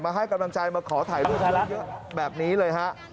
มาให้กำลังใจมาขอถ่ายรูปแบบนี้เลย